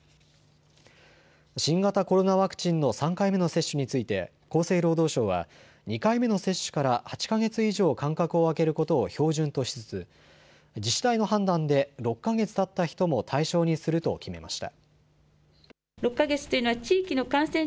新型コロナワクチンの３回目の接種について、厚生労働省は、２回目の接種から８か月以上間隔を空けることを標準としつつ、自治体の判断で、６か月たった人も対象にすると決めました。